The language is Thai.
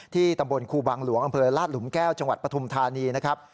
ตำบลครูบังหลวงอำเภอลาดหลุมแก้วจังหวัดปฐุมธานีนะครับ